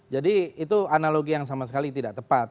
jadi itu analogi yang sama sekali tidak tepat